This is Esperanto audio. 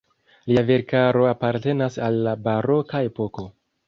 Lia verkaro apartenas al la baroka epoko.